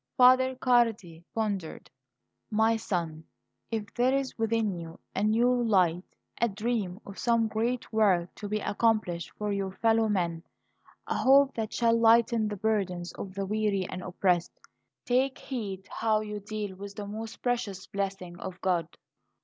Father Cardi pondered. "My son, if there is within you a new light, a dream of some great work to be accomplished for your fellow men, a hope that shall lighten the burdens of the weary and oppressed, take heed how you deal with the most precious blessing of God.